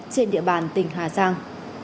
trên địa bàn tỉnh hà giang